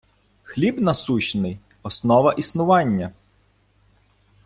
Хліб насущний - основа існування